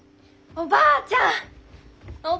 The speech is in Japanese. おばあちゃん！